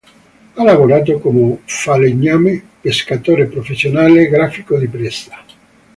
Ha lavorato come falegname, pescatore professionale, grafico di pressa.